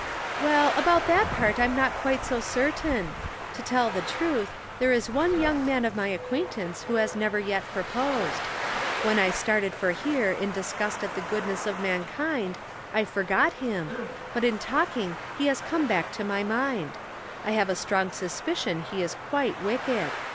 "Well about that part I'm not quite so certain. To tell the truth, there is one young man of my acquaintance who has never yet proposed. When I started for here in disgust at the goodness of mankind I forgot him, but in talking he has come back to my mind. I have a strong suspicion he is quite wicked.